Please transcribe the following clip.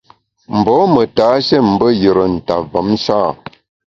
Mbô me tashé mbe yùre nta mvom sha ?